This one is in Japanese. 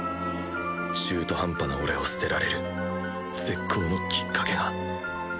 中途半端な俺を捨てられる絶好のきっかけが。